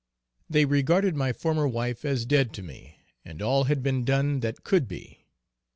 They regarded my former wife as dead to me, and all had been done that could be.